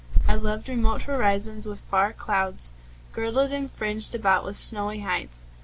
I loved remote horizons with far clouds Girdled, and fringed about with snowy heights.